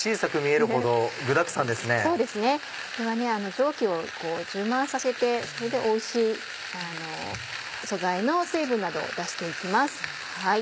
蒸気を充満させてそれでおいしい素材の水分などを出して行きます。